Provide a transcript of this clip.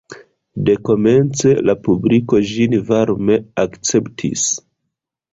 Dekomence la publiko ĝin varme akceptis.